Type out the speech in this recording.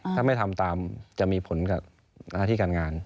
ถ้าไม่ทำตามจะมีผลกับหน้าที่การงาน